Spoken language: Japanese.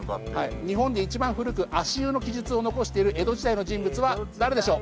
日本でいちばん古く足湯の記述を残している江戸時代の人物は誰でしょう？